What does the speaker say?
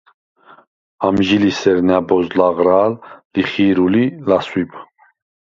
ამჟი ლი სერ ნა̈ბოზდ ლაღრა̄ლ, ლიხი̄რულ ი ლასვიბ.